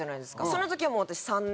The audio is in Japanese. その時はもう私３年。